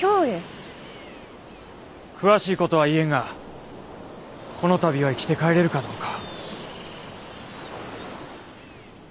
詳しいことは言えんがこの度は生きて帰れるかどうか。